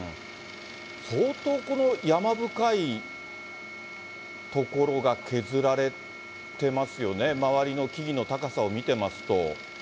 相当この山深い所が削られてますよね、周りの木々の高さを見てますと。